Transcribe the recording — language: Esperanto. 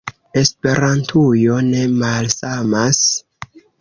Esperantujo ne malsamas.